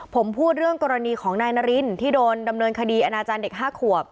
ผมพูดเรื่องกรณีของนายนารินที่โดนดำเนินคดีอนาจารย์เด็ก๕ขวบ